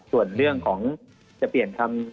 ส่วนเรื่องของจะเปลี่ยนคำ